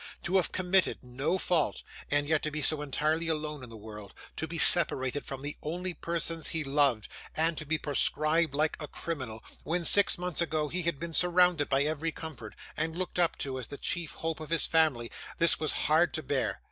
To have committed no fault, and yet to be so entirely alone in the world; to be separated from the only persons he loved, and to be proscribed like a criminal, when six months ago he had been surrounded by every comfort, and looked up to, as the chief hope of his family this was hard to bear.